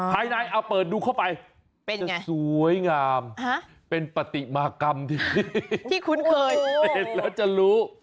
ภายในเอาเปิดดูเข้าไปเป็นไงสวยงามเป็นปฏิมากรรมที่คุ้นเคยเห็นแล้วจะรู้